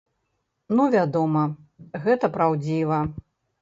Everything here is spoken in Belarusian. Ну вядома, гэта праўдзіва.